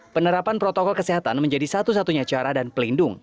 penerapan protokol kesehatan menjadi satu satunya cara dan pelindung